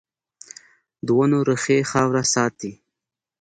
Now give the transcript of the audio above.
د ونو ریښې خاوره ساتي